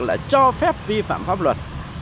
là cho phép vi phạm pháp luật